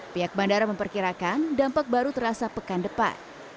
pihak bandara memperkirakan dampak baru terasa pekan depan